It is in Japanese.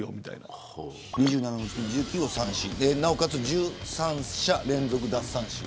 ２７の打者で１９の三振なおかつ１３者連続奪三振。